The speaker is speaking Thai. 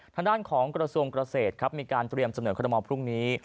ทางด้านของกระทรวงเกษตรครับมีการเตรียมเสนอคอรมอลพรุ่งนี้